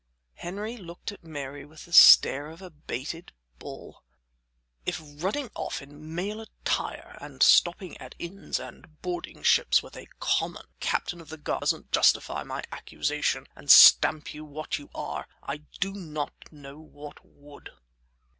Henry looked at Mary with the stare of a baited bull. "If running off in male attire, and stopping at inns and boarding ships with a common Captain of the guard doesn't justify my accusation and stamp you what you are, I do not know what would."